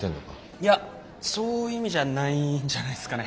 いやそういう意味じゃないんじゃないすかね。